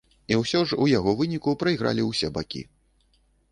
І ўсё ж у яго выніку прайгралі ўсе бакі.